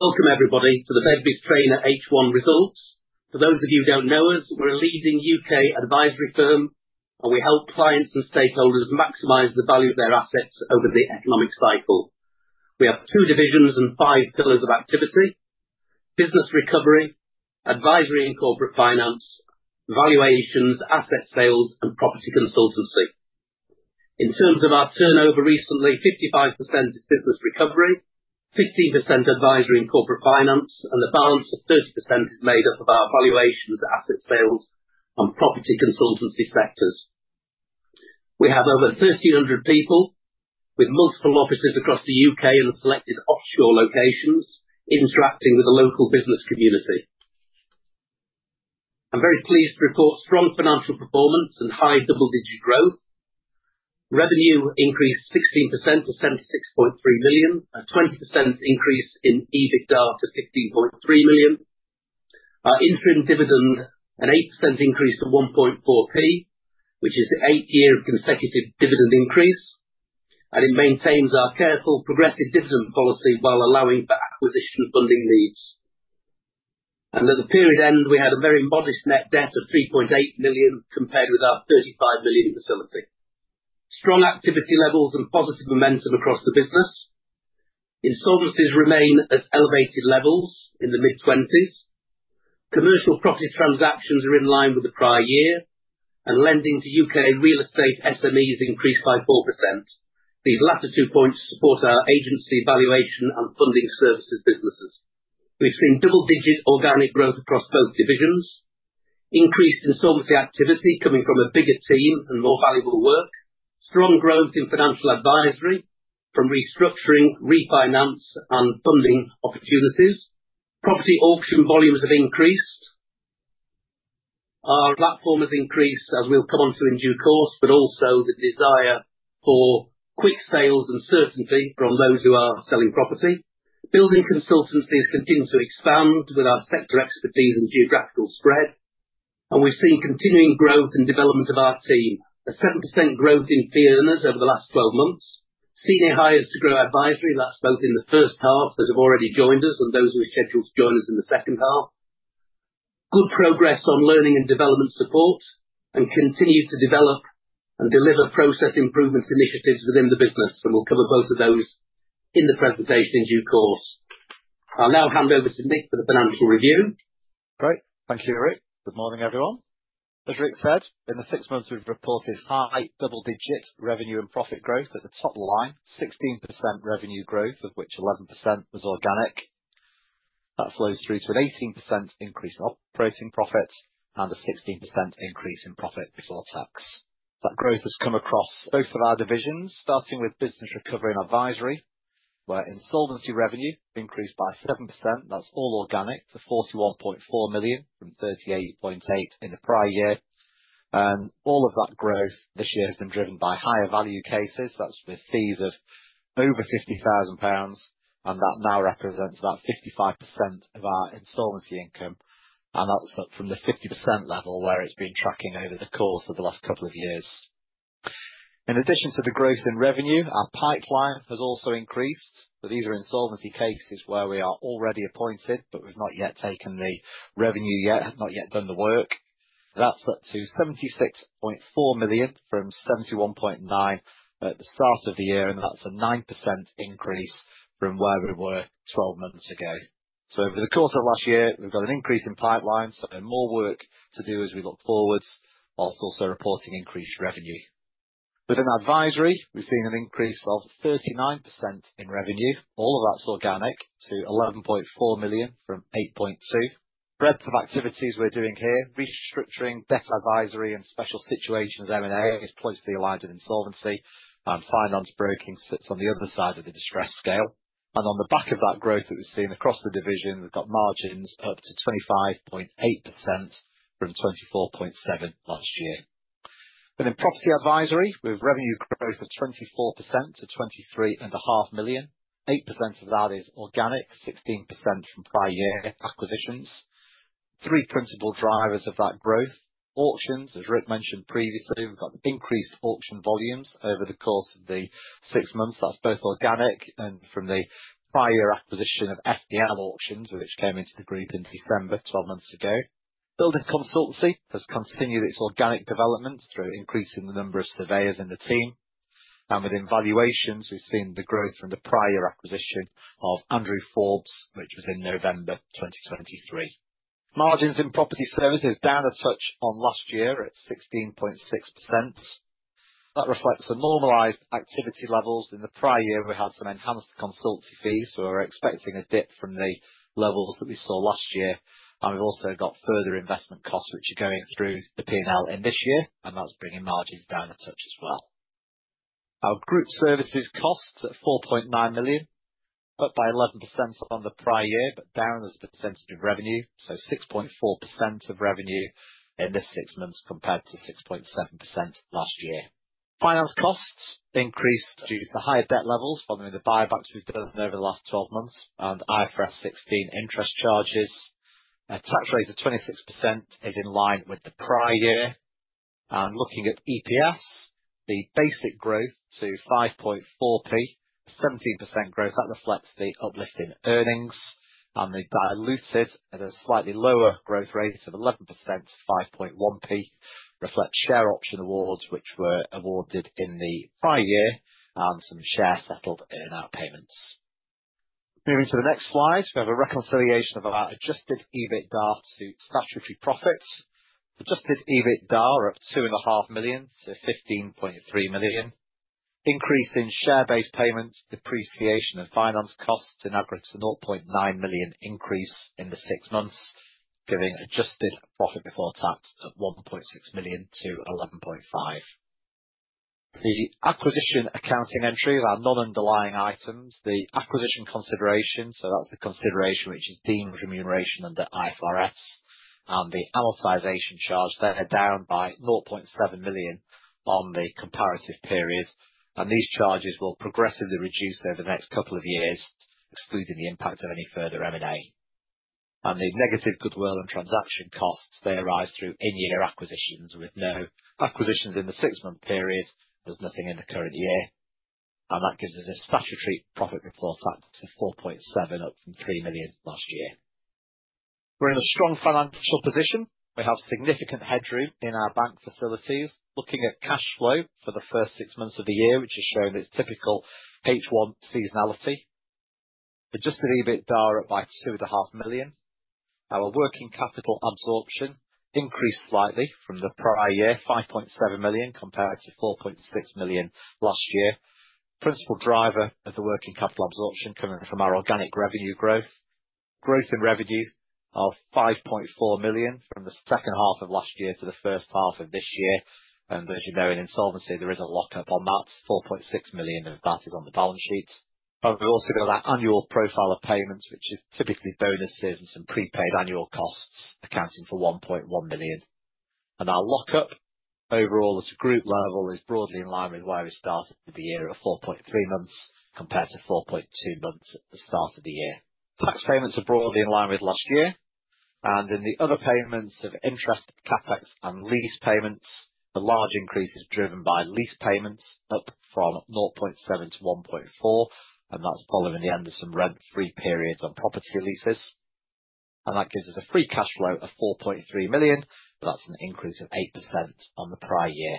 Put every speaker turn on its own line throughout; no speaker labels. Welcome, everybody, to the Begbies Traynor H1 results. For those of you who don't know us, we're a leading U.K. advisory firm, and we help clients and stakeholders maximize the value of their assets over the economic cycle. We have two divisions and five pillars of activity: business recovery, advisory and corporate finance, valuations, asset sales, and property consultancy. In terms of our turnover recently, 55% is business recovery, 15% advisory and corporate finance, and the balance of 30% is made up of our valuations, asset sales, and property consultancy sectors. We have over 1,300 people with multiple offices across the U.K. and selected offshore locations, interacting with the local business community. I'm very pleased to report strong financial performance and high double-digit growth. Revenue increased 16% to 76.3 million, a 20% increase in EBITDA to 16.3 million. Our interim dividend, an 8% increase to 0.014, which is the eighth year of consecutive dividend increase, and it maintains our careful progressive dividend policy while allowing for acquisition funding needs. And at the period end, we had a very modest net debt of 3.8 million compared with our 35 million facility. Strong activity levels and positive momentum across the business. Insolvencies remain at elevated levels in the mid-20s. Commercial property transactions are in line with the prior year, and lending to UK real estate SMEs increased by 4%. These latter two points support our agency valuation and funding services businesses. We've seen double-digit organic growth across both divisions, increased insolvency activity coming from a bigger team and more valuable work, strong growth in financial advisory from restructuring, refinance, and funding opportunities, property auction volumes have increased. Our platform has increased, as we'll come on to in due course, but also the desire for quick sales and certainty from those who are selling property. Building consultancies continue to expand with our sector expertise and geographical spread, and we've seen continuing growth and development of our team, a 7% growth in fee earners over the last 12 months, senior hires to grow advisory, that's both in the first half, those who have already joined us, and those who are scheduled to join us in the second half. Good progress on learning and development support, and continue to develop and deliver process improvement initiatives within the business, and we'll cover both of those in the presentation in due course. I'll now hand over to Nick for the financial review.
Great. Thank you, Ric. Good morning, everyone. As Ric said, in the six months, we've reported high double-digit revenue and profit growth at the top line, 16% revenue growth, of which 11% was organic. That flows through to an 18% increase in operating profit and a 16% increase in profit before tax. That growth has come across both of our divisions, starting with business recovery and insolvency, where insolvency revenue increased by 7%, that's all organic, to 41.4 million from 38.8 million in the prior year. And all of that growth this year has been driven by higher value cases, that's with fees of over 50,000 pounds, and that now represents about 55% of our insolvency income, and that's from the 50% level where it's been tracking over the course of the last couple of years. In addition to the growth in revenue, our pipeline has also increased, but these are insolvency cases where we are already appointed, but we've not yet taken the revenue yet, have not yet done the work. That's up to 76.4 million from 71.9 million at the start of the year, and that's a 9% increase from where we were 12 months ago. So over the course of last year, we've got an increase in pipeline, so more work to do as we look forward, while also reporting increased revenue. Within advisory, we've seen an increase of 39% in revenue, all of that's organic, to 11.4 million from 8.2 million. Breadth of activities we're doing here: restructuring, debt advisory, and special situations M&A has plugged the allied of insolvency, and finance broking sits on the other side of the distress scale. On the back of that growth that we've seen across the division, we've got margins up to 25.8% from 24.7% last year. Within property advisory, we have revenue growth of 24% to 23.5 million. 8% of that is organic, 16% from prior year acquisitions. Three principal drivers of that growth: auctions, as Ric mentioned previously. We've got increased auction volumes over the course of the six months. That's both organic and from the prior year acquisition of SDL Auctions, which came into the group in December, 12 months ago. Building consultancy has continued its organic development through increasing the number of surveyors in the team. And within valuations, we've seen the growth from the prior year acquisition of Andrew Forbes, which was in November 2023. Margins in property services down a touch on last year at 16.6%. That reflects the normalized activity levels. In the prior year, we had some enhanced consultancy fees, so we're expecting a dip from the levels that we saw last year, and we've also got further investment costs which are going through the P&L in this year, and that's bringing margins down a touch as well. Our group services costs at 4.9 million, up by 11% on the prior year, but down as a percentage of revenue, so 6.4% of revenue in the six months compared to 6.7% last year. Finance costs increased due to higher debt levels following the buybacks we've done over the last 12 months and IFRS 16 interest charges. A tax rate of 26% is in line with the prior year, and looking at EPS, the basic growth to 5.4p, 17% growth. That reflects the uplift in earnings, and the diluted at a slightly lower growth rate of 11% to 5.1p reflects share option awards which were awarded in the prior year and some share settled in our payments. Moving to the next slide, we have a reconciliation of our adjusted EBITDA to statutory profits. Adjusted EBITDA are up 2.5 million to 15.3 million. Increase in share-based payments, depreciation of finance costs in aggregate to 0.9 million increase in the six months, giving adjusted profit before tax at 1.6 million to 11.5 million. The acquisition accounting entries are non-underlying items. The acquisition consideration, so that's the consideration which is deemed remuneration under IFRS, and the amortization charge, they're down by 0.7 million on the comparative period. And these charges will progressively reduce over the next couple of years, excluding the impact of any further M&A. And the negative goodwill and transaction costs, they arise through in-year acquisitions. With no acquisitions in the six-month period, there's nothing in the current year. And that gives us a statutory profit before tax of 4.7 million, up from 3 million last year. We're in a strong financial position. We have significant headroom in our bank facilities. Looking at cash flow for the first six months of the year, which is showing its typical H1 seasonality, adjusted EBITDA are up by 2.5 million. Our working capital absorption increased slightly from the prior year, 5.7 million compared to 4.6 million last year. Principal driver of the working capital absorption coming from our organic revenue growth. Growth in revenue of 5.4 million from the second half of last year to the first half of this year. And as you know, in insolvency, there is a lockup on that. 4.6 million of that is on the balance sheet. And we also got that annual profile of payments, which is typically bonuses and some prepaid annual costs accounting for 1.1 million. And our lockup overall at a group level is broadly in line with where we started the year at 4.3 months compared to 4.2 months at the start of the year. Tax payments are broadly in line with last year. And in the other payments of interest, CapEx, and lease payments, a large increase is driven by lease payments, up from 0.7 to 1.4, and that's following the end of some rent-free periods on property leases. And that gives us a free cash flow of 4.3 million, but that's an increase of 8% on the prior year.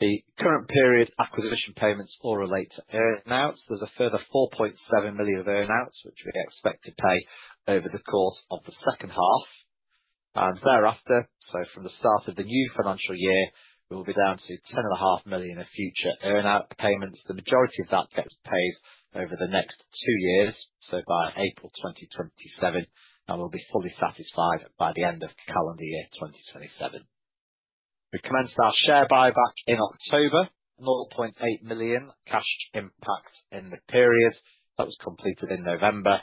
The current period acquisition payments all relate to earnouts. There's a further 4.7 million of earnouts which we expect to pay over the course of the second half. And thereafter, so from the start of the new financial year, we will be down to 10.5 million of future earnout payments. The majority of that gets paid over the next two years, so by April 2027, and we'll be fully satisfied by the end of calendar year 2027. We commenced our share buyback in October, 0.8 million cash impact in the period. That was completed in November,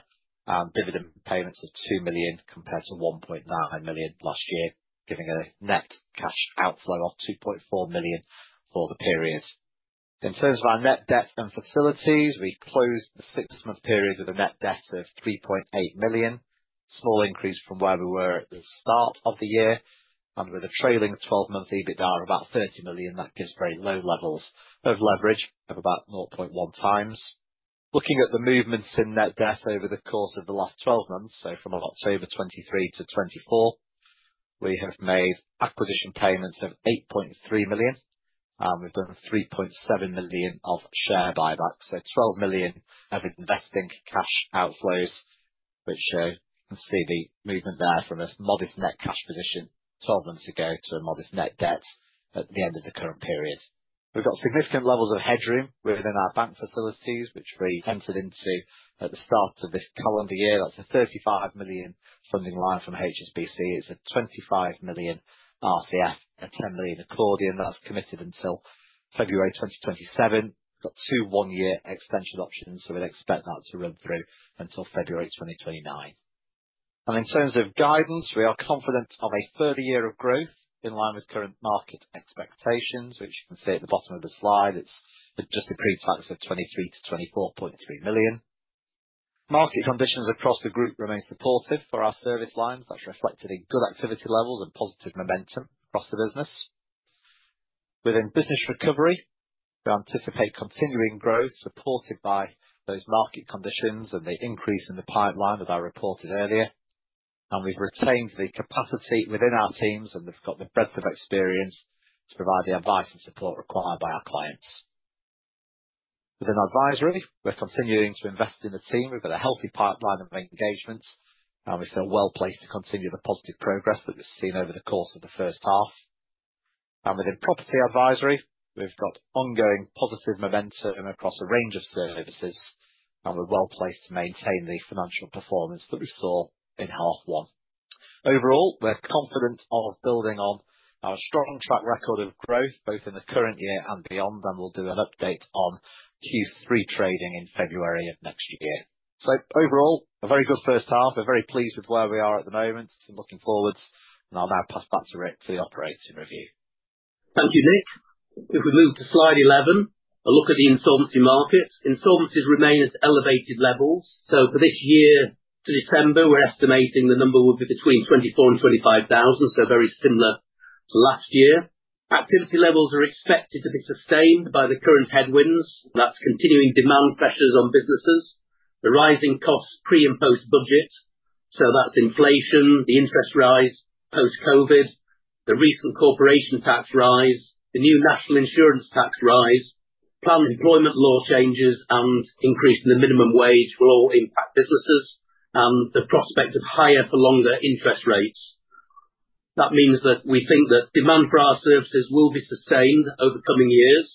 and dividend payments of 2 million compared to 1.9 million last year, giving a net cash outflow of 2.4 million for the period. In terms of our net debt and facilities, we closed the six-month period with a net debt of 3.8 million, a small increase from where we were at the start of the year. With a trailing 12-month EBITDA of about 30 million, that gives very low levels of leverage of about 0.1x. Looking at the movements in net debt over the course of the last 12 months, so from October 2023 to 2024, we have made acquisition payments of 8.3 million, and we've done 3.7 million of share buybacks, so 12 million of investing cash outflows, which you can see the movement there from a modest net cash position 12 months ago to a modest net debt at the end of the current period. We've got significant levels of headroom within our bank facilities, which we entered into at the start of this calendar year. That's a 35 million funding line from HSBC. It's a 25 million RCF and 10 million accordion that's committed until February 2027. We've got two one-year extension options, so we'd expect that to run through until February 2029. In terms of guidance, we are confident of a further year of growth in line with current market expectations, which you can see at the bottom of the slide. It's adjusted pre-tax of 23 million-24.3 million. Market conditions across the group remain supportive for our service lines. That's reflected in good activity levels and positive momentum across the business. Within business recovery, we anticipate continuing growth supported by those market conditions and the increase in the pipeline that I reported earlier. We've retained the capacity within our teams, and they've got the breadth of experience to provide the advice and support required by our clients. Within advisory, we're continuing to invest in the team. We've got a healthy pipeline of engagements, and we feel well placed to continue the positive progress that we've seen over the course of the first half. And within property advisory, we've got ongoing positive momentum across a range of services, and we're well placed to maintain the financial performance that we saw in half one. Overall, we're confident of building on our strong track record of growth both in the current year and beyond, and we'll do an update on Q3 trading in February of next year. So overall, a very good first half. We're very pleased with where we are at the moment. I'm looking forward, and I'll now pass back to Ric for the operating review.
Thank you, Nick. If we move to slide 11, a look at the insolvency markets. Insolvencies remain at elevated levels, so for this year to December, we're estimating the number will be between 24 and 25 thousand, so very similar to last year. Activity levels are expected to be sustained by the current headwinds. That's continuing demand pressures on businesses, the rising costs pre and post-budget, so that's inflation, the interest rise post-COVID, the recent corporation tax rise, the new National Insurance tax rise, planned employment law changes, and increase in the minimum wage will all impact businesses and the prospect of higher-for-longer interest rates. That means that we think that demand for our services will be sustained over coming years.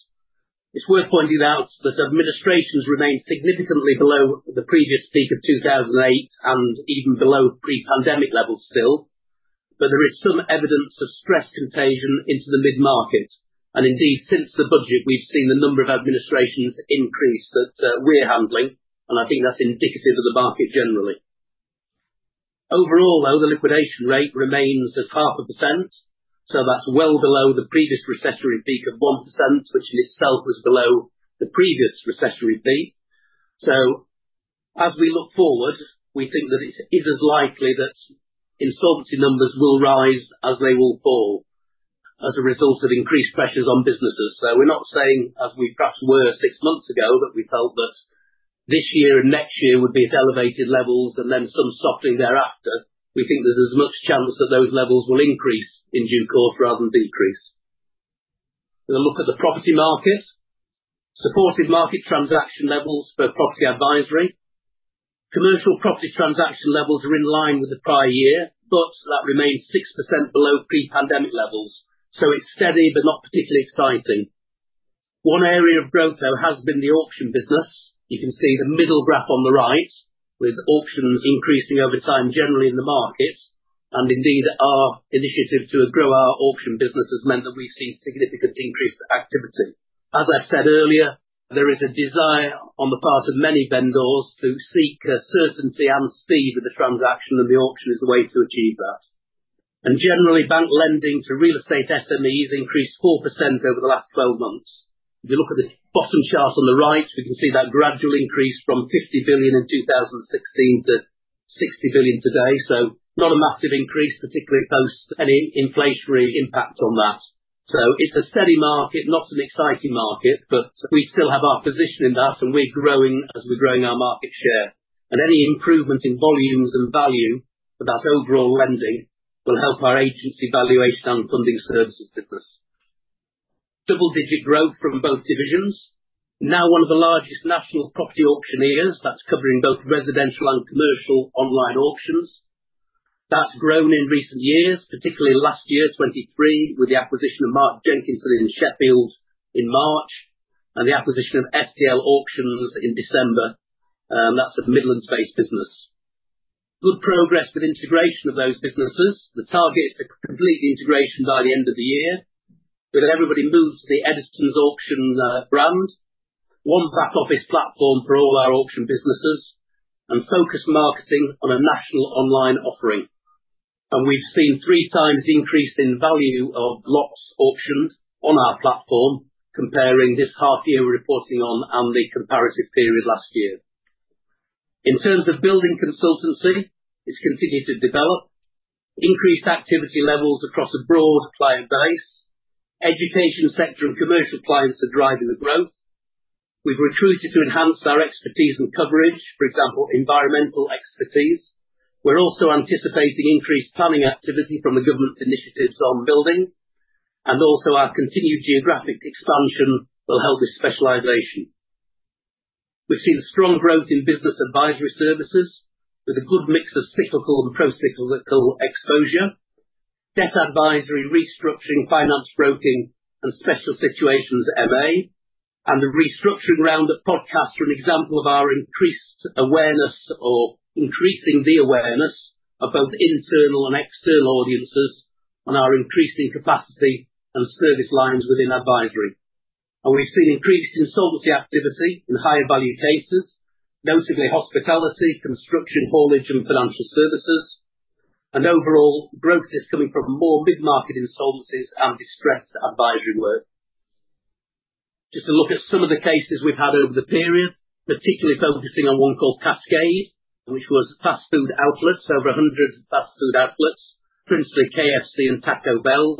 It's worth pointing out that administrations remain significantly below the previous peak of 2008 and even below pre-pandemic levels still, but there is some evidence of stress contagion into the mid-market. Indeed, since the Budget, we've seen the number of administrations increase that we're handling, and I think that's indicative of the market generally. Overall, though, the liquidation rate remains at 0.5%, so that's well below the previous recessionary peak of 1%, which in itself was below the previous recessionary peak. As we look forward, we think that it is as likely that insolvency numbers will rise as they will fall as a result of increased pressures on businesses. We're not saying, as we perhaps were six months ago, that we felt that this year and next year would be at elevated levels and then some softening thereafter. We think there's as much chance that those levels will increase in due course rather than decrease. We'll look at the property market. Supportive market transaction levels for property advisory. Commercial property transaction levels are in line with the prior year, but that remains 6% below pre-pandemic levels. So it's steady, but not particularly exciting. One area of growth, though, has been the auction business. You can see the middle graph on the right with auctions increasing over time generally in the market. And indeed, our initiative to grow our auction business has meant that we've seen significant increased activity. As I've said earlier, there is a desire on the part of many vendors to seek certainty and speed with the transaction, and the auction is a way to achieve that. And generally, bank lending to real estate SMEs increased 4% over the last 12 months. If you look at the bottom chart on the right, we can see that gradual increase from 50 billion in 2016 to 60 billion today, so not a massive increase, particularly post any inflationary impact on that. So it's a steady market, not an exciting market, but we still have our position in that, and we're growing as we're growing our market share, and any improvement in volumes and value for that overall lending will help our agency valuation and funding services business. Double-digit growth from both divisions. Now, one of the largest national property auctioneers that's covering both residential and commercial online auctions. That's grown in recent years, particularly last year, 2023, with the acquisition of Mark Jenkinson in Sheffield in March and the acquisition of SDL Auctions in December, and that's a Midlands-based business. Good progress with integration of those businesses. The target is to complete the integration by the end of the year with everybody moved to the Eddisons Auction brand, one back-office platform for all our auction businesses, and focus marketing on a national online offering, and we've seen 3x increase in value of lots auctioned on our platform, comparing this half-year we're reporting on and the comparative period last year. In terms of building consultancy, it's continued to develop. Increased activity levels across a broad client base. Education sector and commercial clients are driving the growth. We've recruited to enhance our expertise and coverage, for example, environmental expertise. We're also anticipating increased planning activity from the government's initiatives on building, and also our continued geographic expansion will help with specialization. We've seen strong growth in business advisory services with a good mix of cyclical and pro-cyclical exposure. Debt advisory, restructuring, finance broking, and special situations M&A, and the restructuring round of podcasts are an example of our increased awareness or increasing the awareness of both internal and external audiences on our increasing capacity and service lines within advisory. We've seen increased insolvency activity in higher value cases, notably hospitality, construction, haulage, and financial services. Overall, growth is coming from more mid-market insolvencies and distressed advisory work. Just a look at some of the cases we've had over the period, particularly focusing on one called Caskade, which was fast food outlets, over 100 fast food outlets, principally KFC and Taco Bell.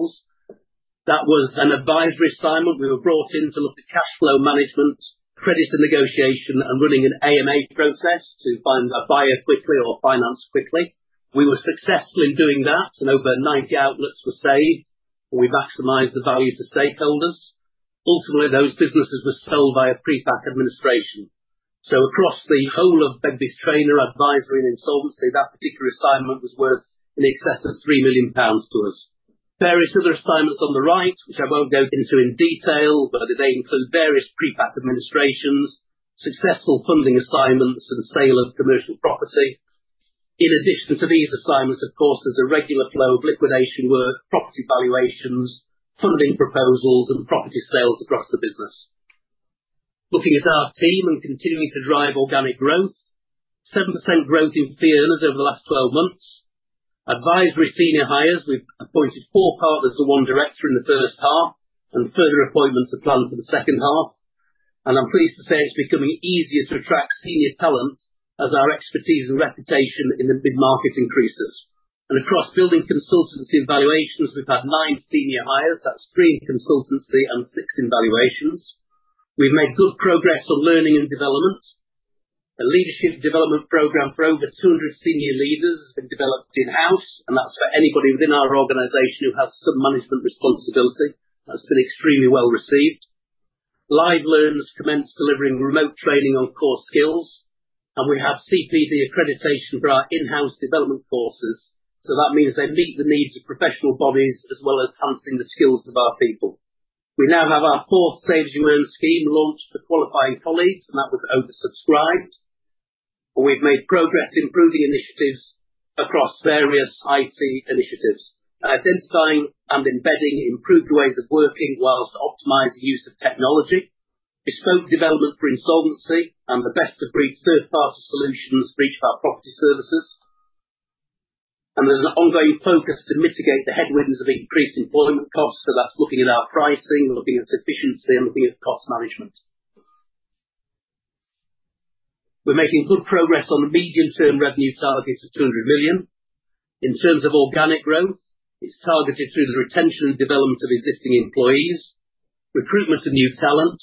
That was an advisory assignment. We were brought in to look at cash flow management, credit and negotiation, and running an AMA process to find a buyer quickly or finance quickly. We were successful in doing that, and over 90 outlets were saved, and we maximized the value to stakeholders. Ultimately, those businesses were sold by a pre-pack administration. So across the whole of Begbies Traynor advisory and insolvency, that particular assignment was worth in excess of 3 million pounds to us. Various other assignments on the right, which I won't go into in detail, but they include various pre-pack administrations, successful funding assignments, and sale of commercial property. In addition to these assignments, of course, there's a regular flow of liquidation work, property valuations, funding proposals, and property sales across the business. Looking at our team and continuing to drive organic growth, 7% growth in fee earners over the last 12 months. Advisory senior hires. We've appointed four partners to one director in the first half, and further appointments are planned for the second half. I'm pleased to say it's becoming easier to attract senior talent as our expertise and reputation in the mid-market increases. Across building consultancy and valuations, we've had nine senior hires. That's three in consultancy and six in valuations. We've made good progress on learning and development. A leadership development program for over 200 senior leaders has been developed in-house, and that's for anybody within our organization who has some management responsibility. That's been extremely well-received. Live Learn commence delivering remote training on core skills, and we have CPD accreditation for our in-house development courses. That means they meet the needs of professional bodies as well as enhancing the skills of our people. We now have our fourth Save As You Earn scheme launched for qualifying colleagues, and that was oversubscribed. We've made progress improving initiatives across various IT initiatives, identifying and embedding improved ways of working whilst optimizing use of technology. Bespoke development for insolvency and the best-of-breed third-party solutions for each of our property services. There's an ongoing focus to mitigate the headwinds of increased employment costs. That's looking at our pricing, looking at efficiency, and looking at cost management. We're making good progress on the medium-term revenue target of 200 million. In terms of organic growth, it's targeted through the retention and development of existing employees, recruitment of new talent,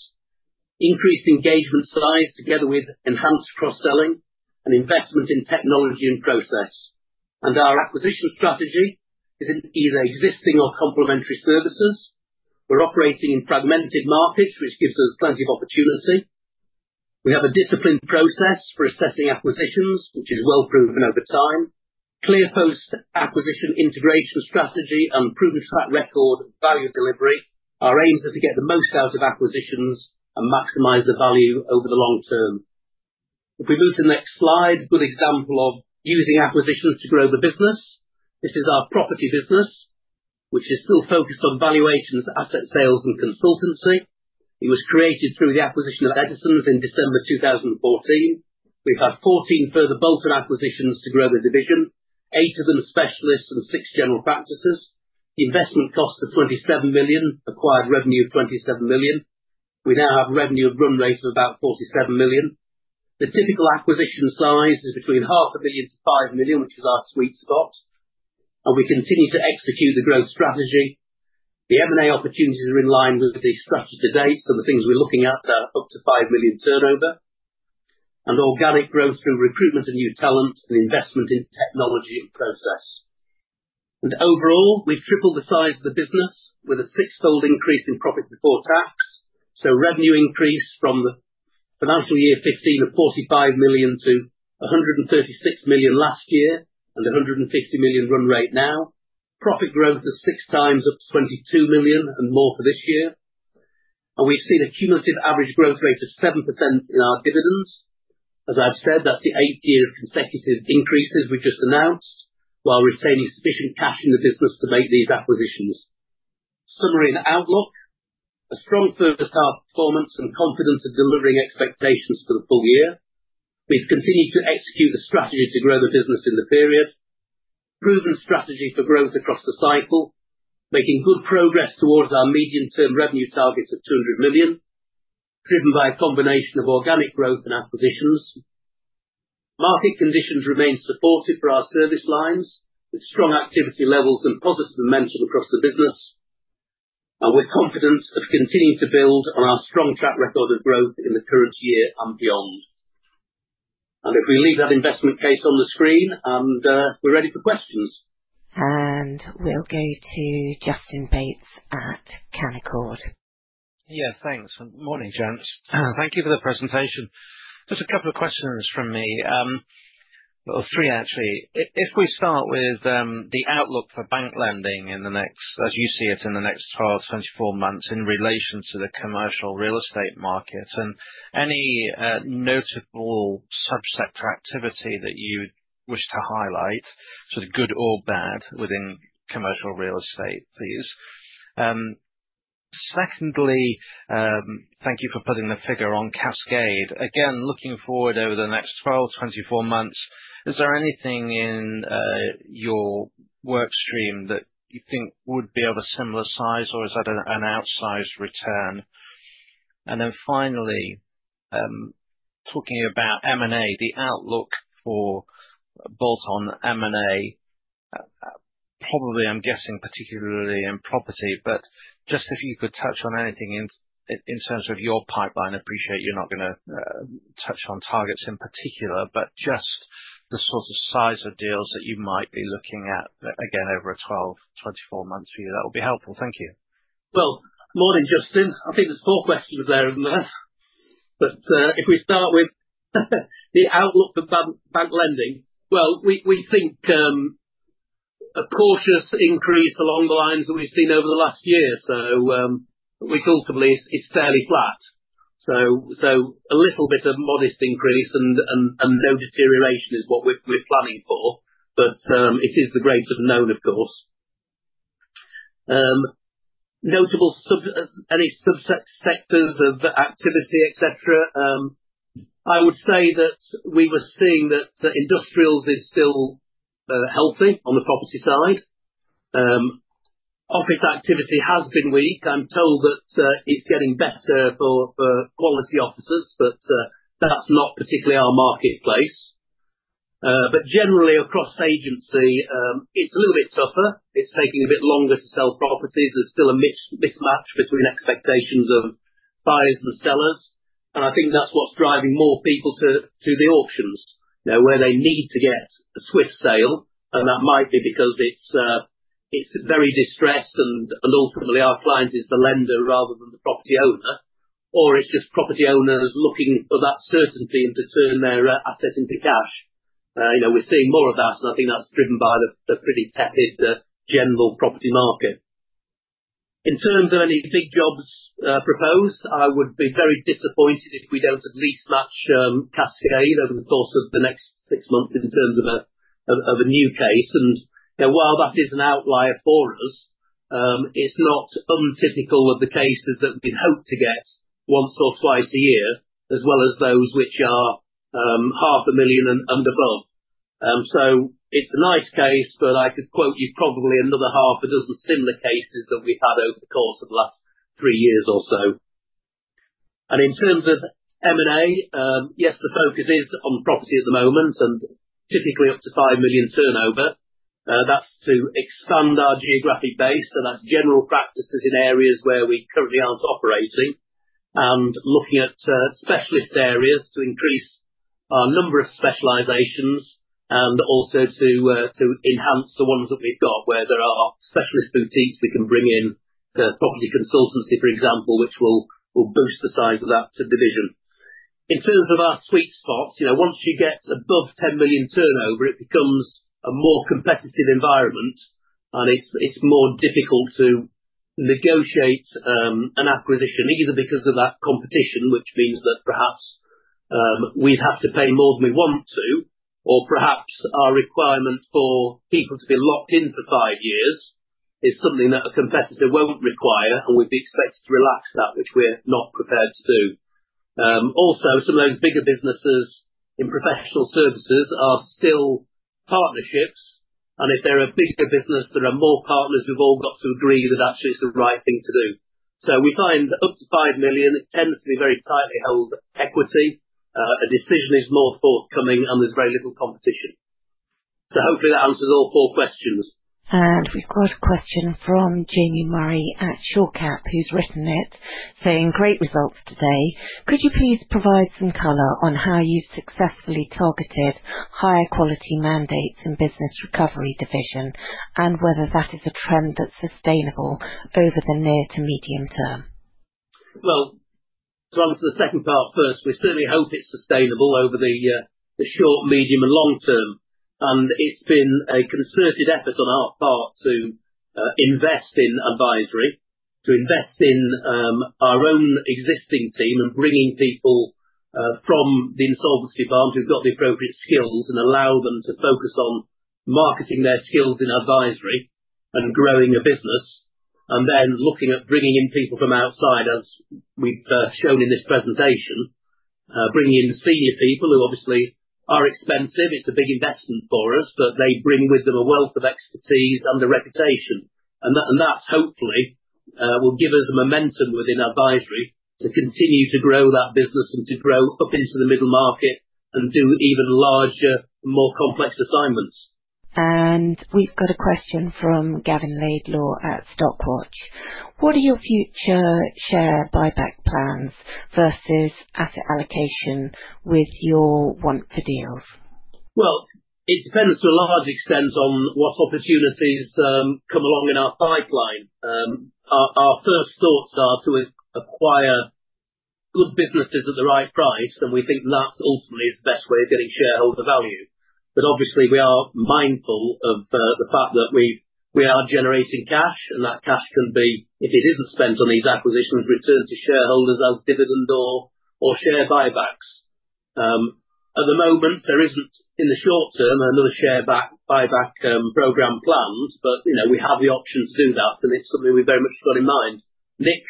increased engagement size together with enhanced cross-selling, and investment in technology and process. Our acquisition strategy is in either existing or complementary services. We're operating in fragmented markets, which gives us plenty of opportunity. We have a disciplined process for assessing acquisitions, which is well proven over time. Clear post-acquisition integration strategy and proven track record value delivery. Our aims are to get the most out of acquisitions and maximize the value over the long term. If we move to the next slide, good example of using acquisitions to grow the business. This is our property business, which is still focused on valuations, asset sales, and consultancy. It was created through the acquisition of Eddisons in December 2014. We've had 14 further bolt-on acquisitions to grow the division, eight of them specialists and six general practices. The investment cost of 27 million acquired revenue of 27 million. We now have a revenue run rate of about 47 million. The typical acquisition size is between 0.5 million to 5 million, which is our sweet spot, and we continue to execute the growth strategy. The M&A opportunities are in line with the strategy to date, so the things we're looking at are up to 5 million turnover, and organic growth through recruitment of new talent and investment in technology and process, and overall, we've tripled the size of the business with a six-fold increase in profit before tax, so revenue increased from the financial year 2015 of 45 million to 136 million last year and 150 million run rate now. Profit growth is 6x up to 22 million and more for this year, and we've seen a cumulative average growth rate of 7% in our dividends. As I've said, that's the eighth year of consecutive increases we've just announced while retaining sufficient cash in the business to make these acquisitions. Summary and outlook: a strong first half performance and confidence of delivering expectations for the full year. We've continued to execute the strategy to grow the business in the period. Proven strategy for growth across the cycle, making good progress towards our medium-term revenue targets of 200 million, driven by a combination of organic growth and acquisitions. Market conditions remain supportive for our service lines with strong activity levels and positive momentum across the business, and we're confident of continuing to build on our strong track record of growth in the current year and beyond, and if we leave that investment case on the screen and we're ready for questions.
And we'll go to Justin Bates at Canaccord.
Yeah, thanks. Good morning, gents. Thank you for the presentation. Just a couple of questions from me, or three actually. If we start with the outlook for bank lending in the next, as you see it in the next 12-24 months in relation to the commercial real estate market, and any notable subsector activity that you wish to highlight, sort of good or bad within commercial real estate, please. Secondly, thank you for putting the figure on Caskade. Again, looking forward over the next 12-24 months, is there anything in your workstream that you think would be of a similar size, or is that an outsized return? And then finally, talking about M&A, the outlook for bolt-on M&A, probably I'm guessing particularly in property, but just if you could touch on anything in terms of your pipeline. I appreciate you're not going to touch on targets in particular, but just the sort of size of deals that you might be looking at, again, over a 12 to 24 month view, that would be helpful. Thank you.
Well, morning, Justin. I think there's four questions there, isn't there? But if we start with the outlook for bank lending, well, we think a cautious increase along the lines that we've seen over the last year. So we thought it's fairly flat. So a little bit of modest increase and no deterioration is what we're planning for, but it is the greater unknown, of course. Notable any subsectors of activity, etc.? I would say that we are seeing that industrials is still healthy on the property side. Office activity has been weak. I'm told that it's getting better for quality offices, but that's not particularly our marketplace. But generally, across agency, it's a little bit tougher. It's taking a bit longer to sell properties. There's still a mismatch between expectations of buyers and sellers. And I think that's what's driving more people to the auctions, where they need to get a swift sale. And that might be because it's very distressed and ultimately our client is the lender rather than the property owner, or it's just property owners looking for that certainty and to turn their asset into cash. We're seeing more of that, and I think that's driven by the pretty tepid general property market. In terms of any big jobs proposed, I would be very disappointed if we don't at least match Caskade over the course of the next six months in terms of a new case. While that is an outlier for us, it's not untypical of the cases that we'd hope to get once or twice a year, as well as those which are 500,000 and above. So it's a nice case, but I could quote you probably another half a dozen similar cases that we've had over the course of the last three years or so. In terms of M&A, yes, the focus is on property at the moment and typically up to 5 million turnover. That's to expand our geographic base, so that's general practices in areas where we currently aren't operating, and looking at specialist areas to increase our number of specializations and also to enhance the ones that we've got where there are specialist boutiques we can bring in, property consultancy, for example, which will boost the size of that division. In terms of our sweet spots, once you get above 10 million turnover, it becomes a more competitive environment, and it's more difficult to negotiate an acquisition, either because of that competition, which means that perhaps we'd have to pay more than we want to, or perhaps our requirement for people to be locked in for five years is something that a competitor won't require, and we'd be expected to relax that, which we're not prepared to do. Also, some of those bigger businesses in professional services are still partnerships, and if they're a bigger business, there are more partners who've all got to agree that actually it's the right thing to do. So we find up to five million, it tends to be very tightly held equity. A decision is more forthcoming, and there's very little competition. So hopefully that answers all four questions.
We've got a question from Jamie Murray at Shore Capital, who's written it, saying, "Great results today. Could you please provide some color on how you've successfully targeted higher quality mandates in business recovery division and whether that is a trend that's sustainable over the near to medium term?"
To answer the second part first, we certainly hope it's sustainable over the short, medium, and long term. It's been a concerted effort on our part to invest in advisory, to invest in our own existing team and bringing people from the insolvency department who've got the appropriate skills and allow them to focus on marketing their skills in advisory and growing a business, and then looking at bringing in people from outside, as we've shown in this presentation, bringing in senior people who obviously are expensive. It's a big investment for us, but they bring with them a wealth of expertise and a reputation, and that hopefully will give us a momentum within advisory to continue to grow that business and to grow up into the middle market and do even larger and more complex assignments, and we've got a question from Gavin Laidlaw at Stockwatch. What are your future share buyback plans versus asset allocation with your want for deals? Well, it depends to a large extent on what opportunities come along in our pipeline. Our first thoughts are to acquire good businesses at the right price, and we think that ultimately is the best way of getting shareholder value. But obviously, we are mindful of the fact that we are generating cash, and that cash can be, if it isn't spent on these acquisitions, returned to shareholders as dividend or share buybacks. At the moment, there isn't, in the short term, another share buyback program planned, but we have the option to do that, and it's something we've very much got in mind. Nick,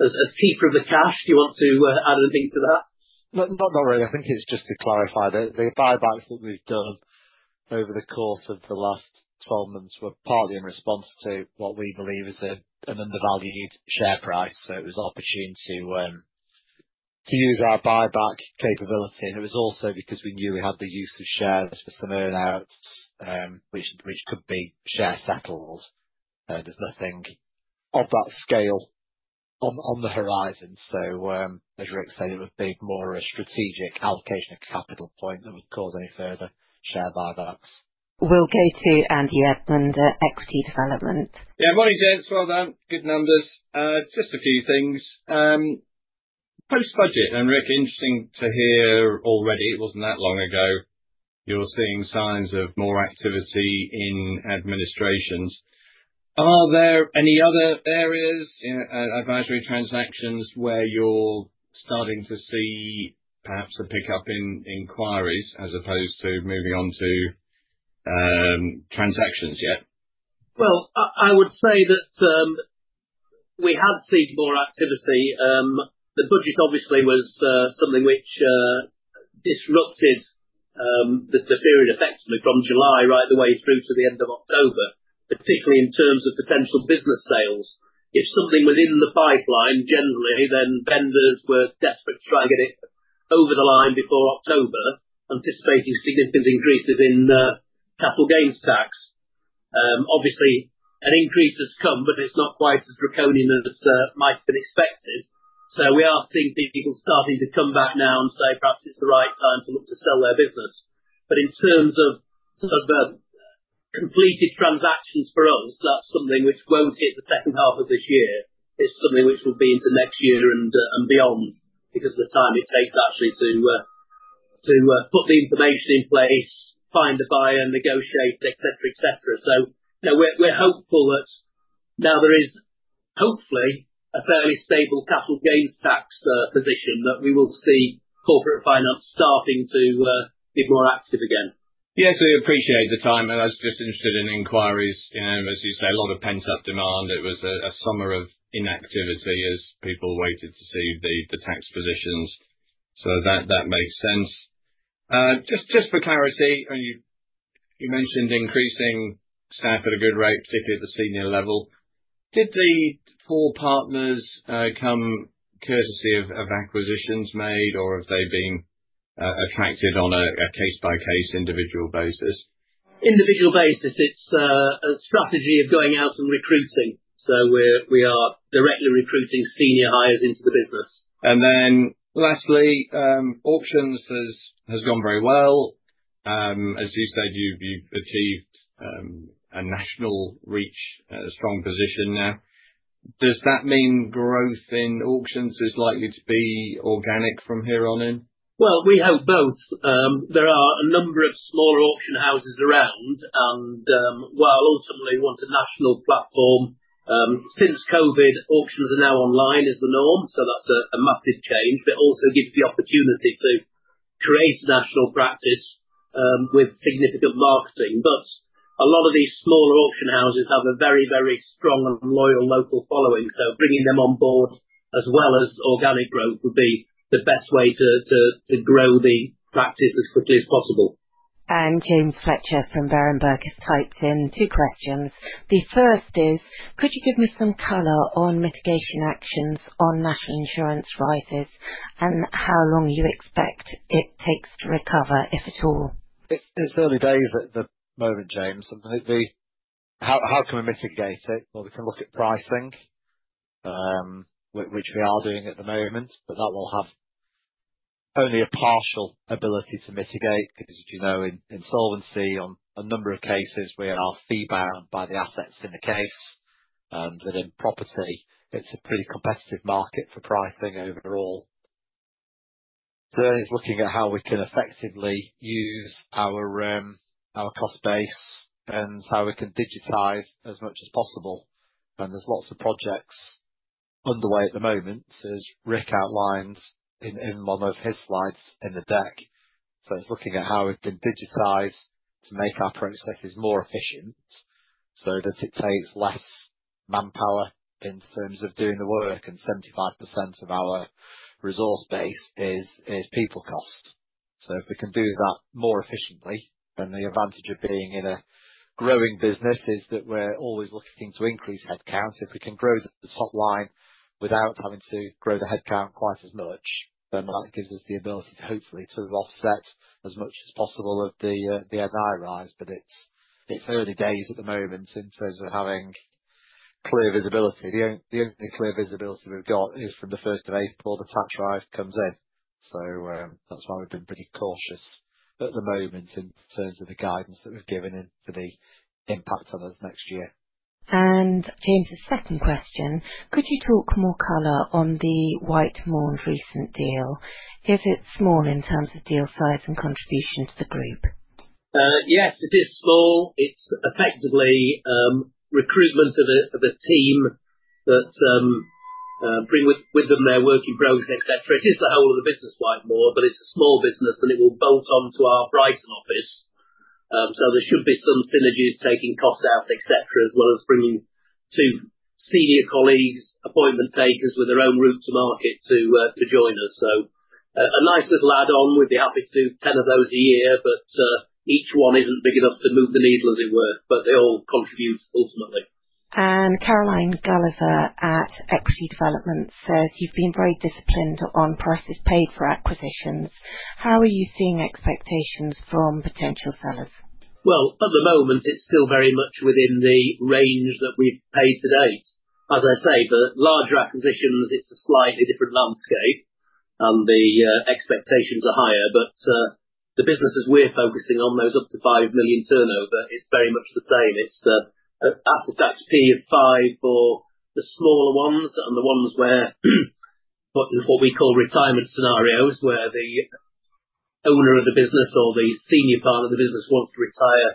as keeper of the cash, do you want to add anything to that?
Not really. I think it's just to clarify that the buybacks that we've done over the course of the last 12 months were partly in response to what we believe is an undervalued share price. So it was opportune to use our buyback capability. And it was also because we knew we had the use of shares for some earnouts, which could be share settlements. There's nothing of that scale on the horizon. So as Ric said, it would be more a strategic allocation of capital point than would cause any further share buybacks.
We'll go to Andy Edmond, Equity Development.
Yeah, morning, gents. Well done. Good numbers. Just a few things. Post-budget, and Ric, interesting to hear already, it wasn't that long ago, you were seeing signs of more activity in administrations. Are there any other areas, advisory transactions, where you're starting to see perhaps a pickup in inquiries as opposed to moving on to transactions yet?
Well, I would say that we had seen more activity. The budget obviously was something which disrupted the period effectively from July right the way through to the end of October, particularly in terms of potential business sales. If something was in the pipeline, generally, then vendors were desperate to try and get it over the line before October, anticipating significant increases in capital gains tax. Obviously, an increase has come, but it's not quite as draconian as might have been expected. So we are seeing people starting to come back now and say perhaps it's the right time to look to sell their business. But in terms of completed transactions for us, that's something which won't hit the second half of this year. It's something which will be into next year and beyond because of the time it takes actually to put the information in place, find a buyer, negotiate, etc., etc. So we're hopeful that now there is hopefully a fairly stable capital gains tax position that we will see corporate finance starting to be more active again.
Yeah, so we appreciate the time. And I was just interested in inquiries. As you say, a lot of pent-up demand. It was a summer of inactivity as people waited to see the tax positions. So that makes sense. Just for clarity, you mentioned increasing staff at a good rate, particularly at the senior level. Did the four partners come courtesy of acquisitions made, or have they been attracted on a case-by-case individual basis?
Individual basis. It's a strategy of going out and recruiting. So we are directly recruiting senior hires into the business.
And then lastly, auctions has gone very well. As you said, you've achieved a national reach, a strong position now. Does that mean growth in auctions is likely to be organic from here on in?
Well, we hope both. There are a number of smaller auction houses around, and while ultimately we want a national platform, since COVID, auctions are now online as the norm. So that's a massive change, but it also gives the opportunity to create national practice with significant marketing. But a lot of these smaller auction houses have a very, very strong and loyal local following. So bringing them on board as well as organic growth would be the best way to grow the practice as quickly as possible.
And James Fletcher from Berenberg has typed in two questions. The first is, could you give me some color on mitigation actions on National Insurance rises and how long you expect it takes to recover, if at all?
It's early days at the moment, James. How can we mitigate it? Well, we can look at pricing, which we are doing at the moment, but that will have only a partial ability to mitigate because, as you know, in insolvency on a number of cases, we are fee-bound by the assets in the case. And within property, it's a pretty competitive market for pricing overall. It's looking at how we can effectively use our cost base and how we can digitize as much as possible. And there's lots of projects underway at the moment, as Ric outlined in one of his slides in the deck. It's looking at how we can digitize to make our processes more efficient so that it takes less manpower in terms of doing the work, and 75% of our resource base is people cost. If we can do that more efficiently, then the advantage of being in a growing business is that we're always looking to increase headcount. If we can grow the top line without having to grow the headcount quite as much, then that gives us the ability to hopefully offset as much as possible of the NI rise. It's early days at the moment in terms of having clear visibility. The only clear visibility we've got is from the 1st of April, the tax rise comes in. So that's why we've been pretty cautious at the moment in terms of the guidance that we've given and for the impact on us next year.
And James's second question, could you talk more color on the White Maund's recent deal? Is it small in terms of deal size and contribution to the group?
Yes, it is small. It's effectively recruitment of a team that brings with them their working programs, etc. It is the whole of the business White Maund, but it's a small business, and it will bolt on to our Brighton office. So there should be some synergies taking costs out, etc., as well as bringing two senior colleagues, appointment takers with their own route to market to join us. So a nice little add-on. We'd be happy to do 10 of those a year, but each one isn't big enough to move the needle, as it were, but they all contribute ultimately.
And Caroline Gulliver at Equity Development says, "You've been very disciplined on prices paid for acquisitions. How are you seeing expectations from potential sellers?"
Well, at the moment, it's still very much within the range that we've paid to date. As I say, for larger acquisitions, it's a slightly different landscape, and the expectations are higher. But the businesses we're focusing on, those up to 5 million turnover, it's very much the same. It's at the multiple of five for the smaller ones and the ones where what we call retirement scenarios, where the owner of the business or the senior partner of the business wants to retire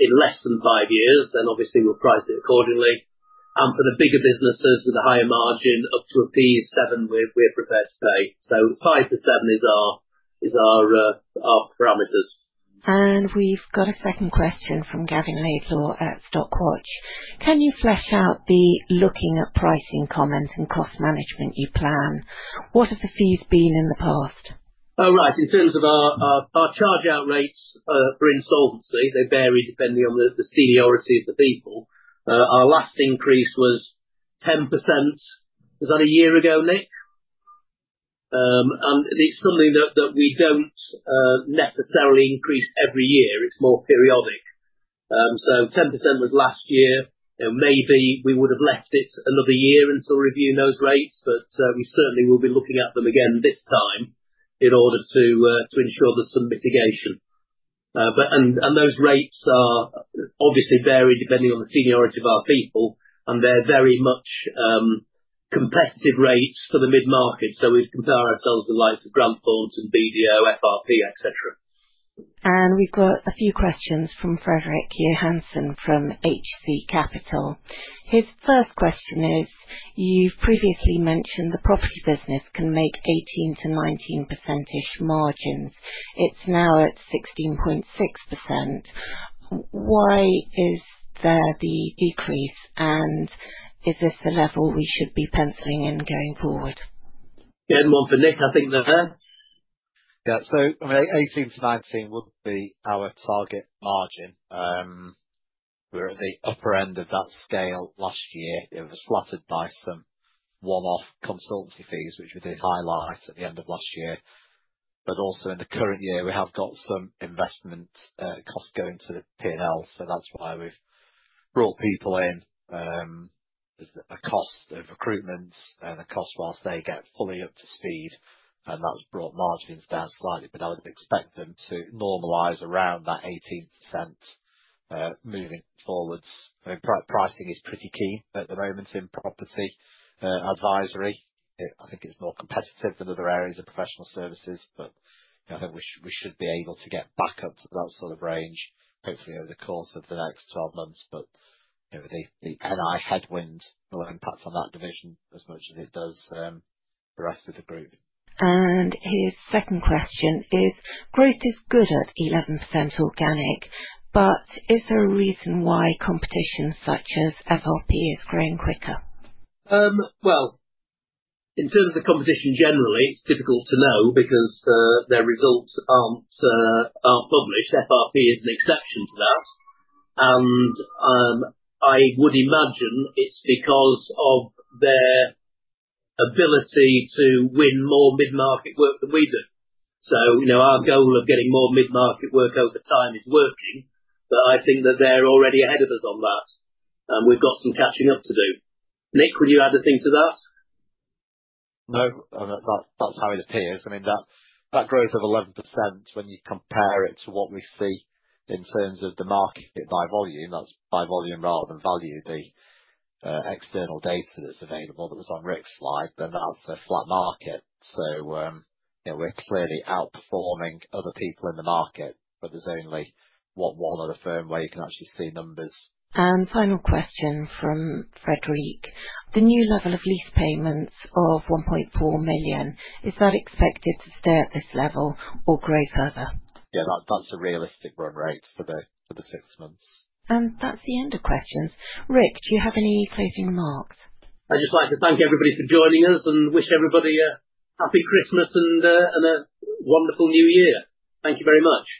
in less than five years, then obviously we'll price it accordingly. For the bigger businesses with a higher margin up to a P of seven, we're prepared to pay. Five to seven is our parameters.
We've got a second question from Gavin Laidlaw at Stockwatch. "Can you flesh out the looking at pricing comments and cost management you plan? What have the fees been in the past?"
Oh, right. In terms of our charge-out rates for insolvency, they vary depending on the seniority of the people. Our last increase was 10%. Was that a year ago, Nick? It's something that we don't necessarily increase every year. It's more periodic. 10% was last year. Maybe we would have left it another year until reviewing those rates, but we certainly will be looking at them again this time in order to ensure there's some mitigation. Those rates are obviously varied depending on the seniority of our people, and they're very much competitive rates for the mid-market. We'd compare ourselves to the likes of Grant Thornton, BDO, FRP, etc.
We've got a few questions from Frederik Johansen from HC Capital. His first question is, "You've previously mentioned the property business can make 18%-19%-ish margins. It's now at 16.6%. Why is there the decrease, and is this the level we should be penciling in going forward?"
Yeah, more for Nick, I think, there.
Yeah. 18-19 would be our target margin. We're at the upper end of that scale last year. It was flooded by some one-off consultancy fees, which we did highlight at the end of last year. But also in the current year, we have got some investment costs going to the P&L, so that's why we've brought people in. There's a cost of recruitment and a cost whilst they get fully up to speed, and that's brought margins down slightly, but I would expect them to normalize around that 18% moving forwards. I mean, pricing is pretty key at the moment in property advisory. I think it's more competitive than other areas of professional services, but I think we should be able to get back up to that sort of range, hopefully over the course of the next 12 months. But the NI headwind will impact on that division as much as it does the rest of the group.
And his second question is, "Growth is good at 11% organic, but is there a reason why competition such as FRP is growing quicker?"
Well, in terms of the competition generally, it's difficult to know because their results aren't published. FRP is an exception to that. And I would imagine it's because of their ability to win more mid-market work than we do. So our goal of getting more mid-market work over time is working, but I think that they're already ahead of us on that, and we've got some catching up to do. Nick, would you add a thing to that?
No, that's how it appears. I mean, that growth of 11% when you compare it to what we see in terms of the market by volume, that's by volume rather than value, the external data that's available that was on Ric's slide, then that's a flat market. So we're clearly outperforming other people in the market, but there's only one other firm where you can actually see numbers.
And final question from Frederick. "The new level of lease payments of 1.4 million, is that expected to stay at this level or grow further?"
Yeah, that's a realistic run rate for the six months.
And that's the end of questions. Ric, do you have any closing remarks?
I'd just like to thank everybody for joining us and wish everybody a happy Christmas and a wonderful new year. Thank you very much.